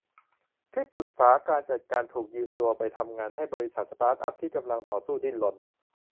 ที่ปรึกษาการจัดการถูกยืมตัวไปทำงานให้บริษัทสตาร์ตอัพที่กำลังต่อสู้ดิ้นรน